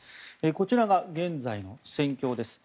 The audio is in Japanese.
こちらが現在の戦況です。